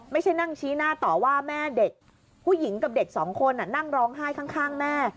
ไม่ใช่นั่งชี้หน้าต่อว่าแม่เด็กผู้หญิงกับเด็กสองคนนั่งร้องไห้ข้างแม่